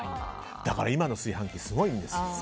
だから、今の炊飯器すごいんですよ。